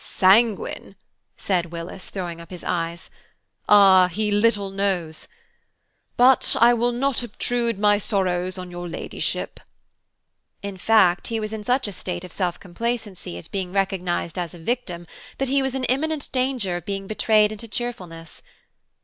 "Sanguine!" said Willis, throwing up his eyes, "ah, he little knows! But I will not obtrude my sorrows on your Ladyship." In fact, he was in such a state of self complacency at being recognised as a victim that he was in imminent danger of being betrayed into cheerfulness.